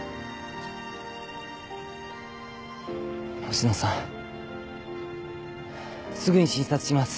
星野さんすぐに診察します。